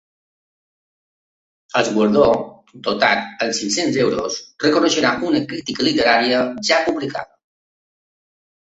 El guardó, dotat amb cinc-cents euros, reconeixerà una crítica literària ja publicada.